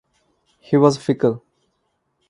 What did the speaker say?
He was fickle.